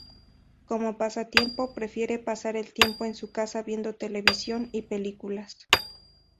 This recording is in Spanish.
Como pasatiempo prefiere pasar el tiempo en su casa viendo televisión y películas.